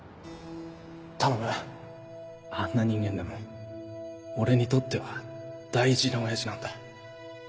頼むあんな人間でも俺にとっては大事な親父なんだ